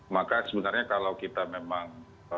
maka sebenarnya kalau kita memang